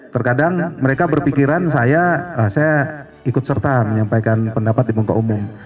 terkadang mereka berpikiran saya saya ikut serta menyampaikan pendapat di muka umum